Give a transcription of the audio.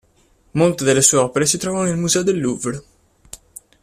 Molte delle sue opere si trovano nel museo del Louvre.